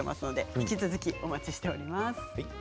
引き続きお待ちしています。